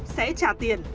sẽ trả tiền